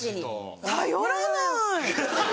頼らない！